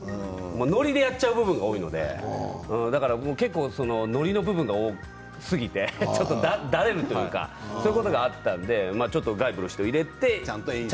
のりでやっちゃう部分が多いのでだからノリの部分が多すぎてやれるというかそういうことがあったのでちゃんと演出してもらって。